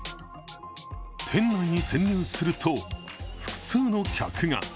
店内に潜入すると、複数の客が。